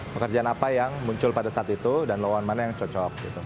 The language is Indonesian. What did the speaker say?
pekerjaan apa yang muncul pada saat itu dan lawan mana yang cocok